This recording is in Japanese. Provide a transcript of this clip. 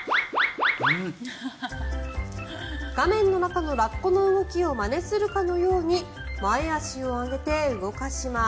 画面の中のラッコの動きをまねするかのように前足を上げて動かします。